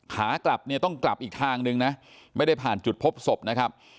ขากลับเนี่ยต้องกลับอีกทางนึงนะไม่ได้ผ่านจุดพบศพนะครับ